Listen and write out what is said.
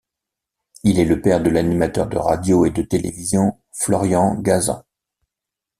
Il est le père de l'animateur de radio et de télévision Florian Gazan.